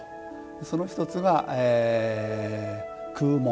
その１つが空門。